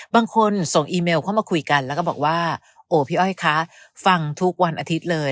บางคนส่งอีเมลเข้ามาคุยกันแล้วก็บอกว่าโอ้พี่อ้อยคะฟังทุกวันอาทิตย์เลย